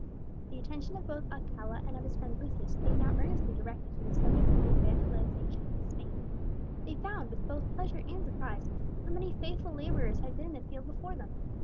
The attention of both Alcala and of his friend Lucius being now earnestly directed to the subject of the evangelization of Spain, they found, with both pleasure and surprise, how many faithful labourers had been in the field before them.